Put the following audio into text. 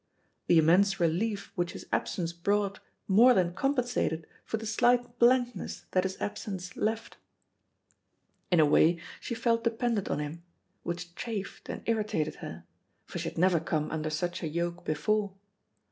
The immense relief which his absence brought more than compensated for the slight blankness that his absence left. In a way she felt dependent on him, which chafed and irritated her, for she had never come under such a yoke before.